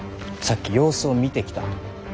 さっき様子を見てきた。